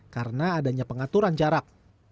karena adanya pengaturan jarak